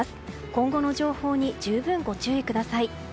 今後の情報に十分ご注意ください。